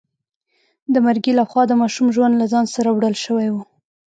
د مرګي لخوا د ماشوم ژوند له ځان سره وړل شوی و.